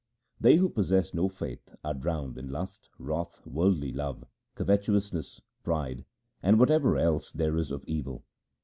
They who possess no faith are drowned in lust, wrath, worldly love, covetousness, pride, and whatever else there is of evil.